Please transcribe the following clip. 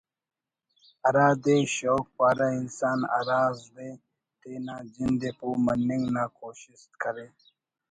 ہرادے شوق پارہ انسان ہرا زدے تینا جند ءِ پہہ مننگ نا کوشست کرے